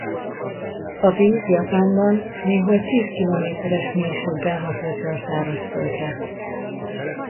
A víz Japánban néhol tíz kilométeres mélységben hatolt be a szárazföldre.